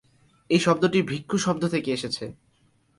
এই শব্দটি ‘ভিক্ষু’ শব্দ থেকে এসেছে।